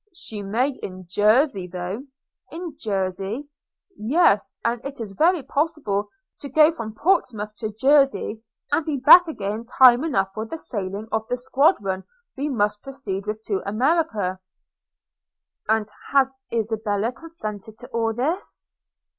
'She may in Jersey, though.' 'In Jersey?' 'Yes; and it is very possible to go from Portsmouth to Jersey, and be back again time enough for the sailing of the squadron we must proceed with to America.' 'And has Isabella consented to all this?'